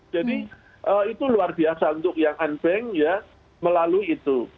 jadi itu luar biasa untuk yang angbeng ya melalui itu